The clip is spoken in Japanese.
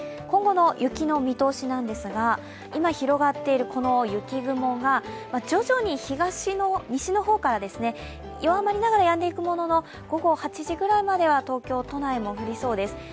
今後の雪の見通しなんですが、今、広がっているこの雪雲が徐々に西の方から弱まりながらやんでいくものの、午後８時ぐらいまでは東京都内も降りそうです。